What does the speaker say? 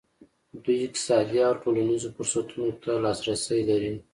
دوی اقتصادي او ټولنیزو فرصتونو ته لاسرسی لري.